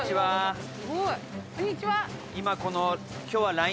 こんにちは。